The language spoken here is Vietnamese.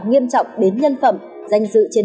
nghiêm trọng đến nhân phẩm danh dự trên